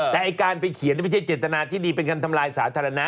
แต่ไอ้การไปเขียนไม่ใช่เจตนาที่ดีเป็นการทำลายสาธารณะ